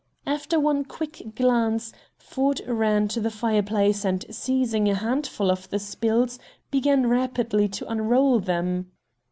After one quick glance, Ford ran to the fireplace, and, seizing a handfull of the spills, began rapidly to unroll them.